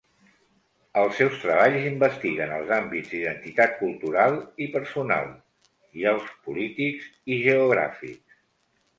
Els seus treballs investiguen els àmbits d'identitat cultural i personal, i els polítics i geogràfics.